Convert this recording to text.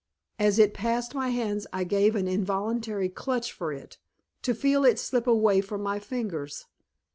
As it passed my hands I gave an involuntary clutch for it, to feel it slip away from my fingers.